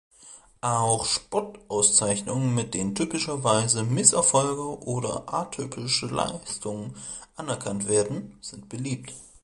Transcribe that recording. Auch „Spott“-Auszeichnungen, mit denen typischerweise Misserfolge oder atypische Leistungen anerkannt werden, sind beliebt.